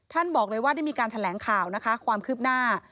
ท่านบอกเลยว่าได้มีการแถลงข่าวนะคะความคืบหน้า